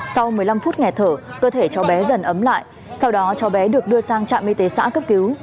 sau một mươi năm phút ngày thở cơ thể cháu bé dần ấm lại sau đó cháu bé được đưa sang trạm y tế xã cấp cứu